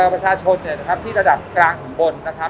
ประชาชนที่ระดับกลางถึงบนนะครับ